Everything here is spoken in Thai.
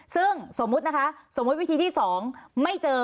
ซึ่งสมมุตินะคะสมมุติวิธีที่๒ไม่เจอ